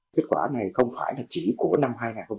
kết quả này không phải chỉ của năm hai nghìn hai mươi ba